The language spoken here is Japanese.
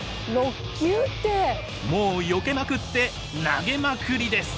もうよけまくって投げまくりです。